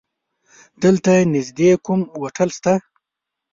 دلته نيږدې کوم هوټل شته؟